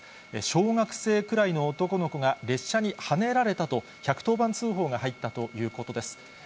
小学生くらいの男の子が列車にはねられたと１１０番通報が入ったということです。